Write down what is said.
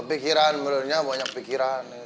kepikiran menurutnya banyak pikiran